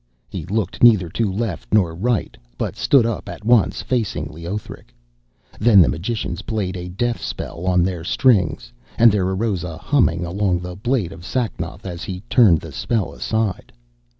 He looked neither to left nor right, but stood up at once facing Leothric. Then the magicians played a deathspell on their strings, and there arose a humming along the blade of Sacnoth as he turned the spell aside.